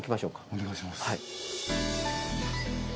お願いします。